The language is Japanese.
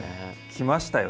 きましたよ